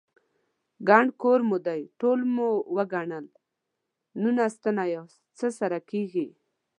_ګڼ کور مو دی، ټول مې وګڼل، نولس تنه ياست، څه سره کېږئ؟